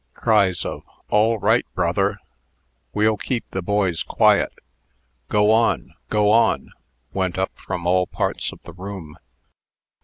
Cries of "All right, brother!" "We'll keep the boys quiet!" "Go on! go on!" went up from all parts of the room.